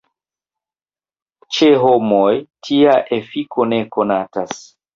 Ĉe homoj tia efiko ne konatas.